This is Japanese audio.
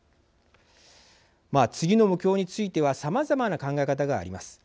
次の目標についてはさまざまな考え方があります。